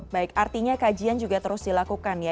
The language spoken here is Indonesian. baik artinya kajian juga terus dilakukan ya